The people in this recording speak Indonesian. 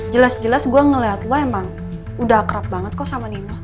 jelas jelas gue ngeliat gue emang udah akrab banget kok sama nino